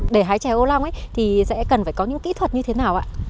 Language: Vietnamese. để hái chè ô long thì sẽ cần phải có những kỹ thuật như thế nào ạ